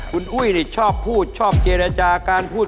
คุณอุ้ยชอบพูดชอบเจรจาการพูด